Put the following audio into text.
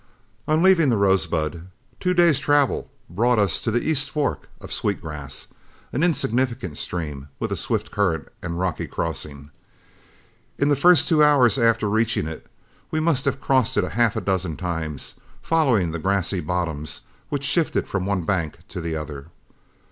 On leaving the Rosebud, two days' travel brought us to the east fork of Sweet Grass, an insignificant stream, with a swift current and rocky crossings. In the first two hours after reaching it, we must have crossed it half a dozen times, following the grassy bottoms, which shifted from one bank to the other.